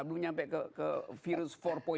belum nyampe ke virus empat